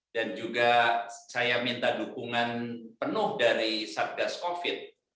dan juga saya minta dukungan penuh dari satgas covid